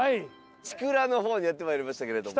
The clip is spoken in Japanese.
千倉の方にやって参りましたけれども。